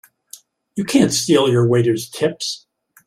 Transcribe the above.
You can't steal your waiters' tips!